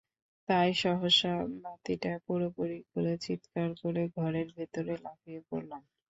তাই সহসা বাতিটা পুরোপুরি খুলে চিৎকার করে ঘরের ভেতরে লাফিয়ে পড়লাম।